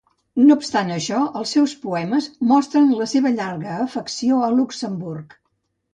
No obstant això, els seus poemes mostren la seva llarga afecció a Luxemburg.